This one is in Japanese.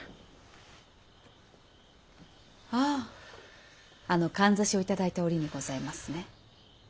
あぁあのかんざしを頂いた折にございますね。